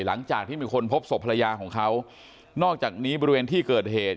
หลังจากที่มีคนพบศพภรรยาของเขานอกจากนี้บริเวณที่เกิดเหตุ